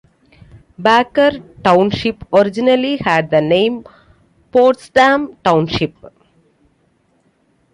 Baker Township originally had the name Potsdam Township.